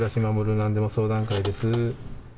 なんでも相談会です。